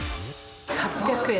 ８００円。